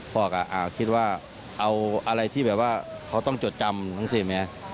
พ่อก็คิดว่าเอาอะไรที่แบบว่าเขาต้องจดจำทั้งเสียเมีย